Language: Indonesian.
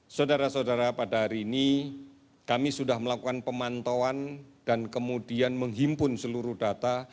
saudara saudara pada hari ini kami sudah melakukan pemantauan dan kemudian menghimpun seluruh data